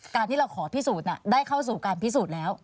การที่เราขอพิสูจน์ได้เข้าสู่การพิสูจน์แล้ว